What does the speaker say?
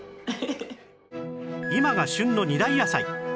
今が旬の２大野菜